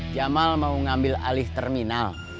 jamal mau ngambil alih terminal